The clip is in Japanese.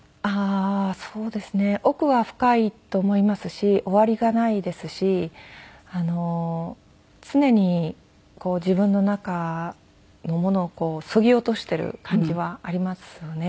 奥は深いと思いますし終わりがないですし常に自分の中のものをそぎ落としている感じはありますよね。